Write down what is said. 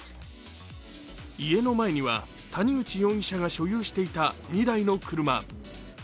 家の前には谷口容疑者が所有していた２台の車。